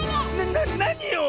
ななによ